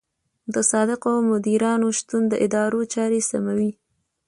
د صادقو مدیرانو شتون د ادارو چارې سموي.